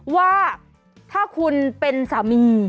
ว่าถ้าคุณเป็นสามี